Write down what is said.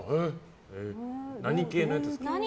何系のやつですか？